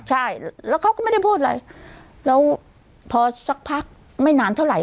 ใช่แล้วเขาก็ไม่ได้พูดอะไรแล้วพอสักพักไม่นานเท่าไหร